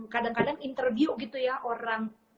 kadang kadang interview gitu ya orang